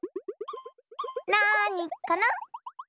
なにかな？